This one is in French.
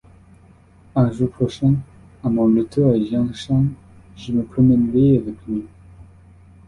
Un jour prochain, à mon retour à Jiangshang, je me promènerai avec lui.